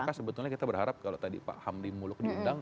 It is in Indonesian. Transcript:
maka sebetulnya kita berharap kalau tadi pak hamdi muluk diundang